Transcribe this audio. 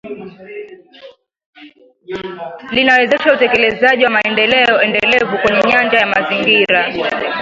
Linawezesha utekelezaji wa maendeleo endelevu kwenye nyanja ya mazingira